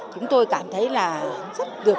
chúng tôi cảm thấy là rất được